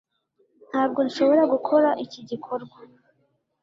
Ntabwo nshobora gukora iki gikorwa.